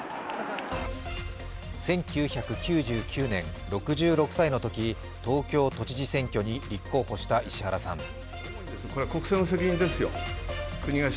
１９９９年、６６歳のとき東京都知事選挙に立候補した石原さん。